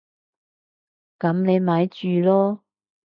噉你咪住囉